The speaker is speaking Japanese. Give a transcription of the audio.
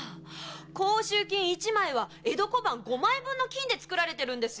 甲州金一枚は江戸小判五枚分の金で造られてるんですよ！